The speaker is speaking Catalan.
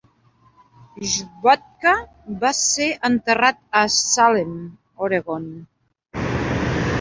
Schwatka va ser enterrat a Salem, Oregon.